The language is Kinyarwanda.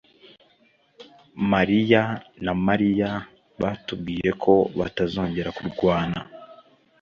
mariya na Mariya batubwiye ko batazongera kurwana